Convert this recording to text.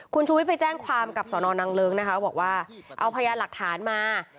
คุณชูวิทย์ไปแจ้งความกับสอนอนนางเลิ้งนะคะบอกว่าเอาพยานหลักฐานมา